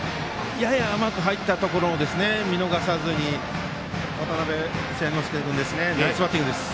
やや甘く入ったところ見逃さずに渡邉千之亮君ナイスバッティングです。